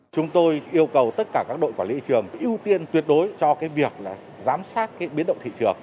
chúng tôi yêu cầu tất cả các đội quản lý thị trường ưu tiên tuyệt đối cho việc giám sát biến động thị trường